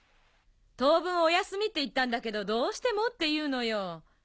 当分お休みって言ったんだけどどうしてもって言うのよ。